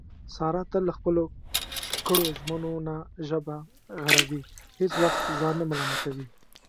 ساره تل له خپلو کړو ژمنو نه ژبه غړوي، هېڅ وخت ځان نه ملامتوي.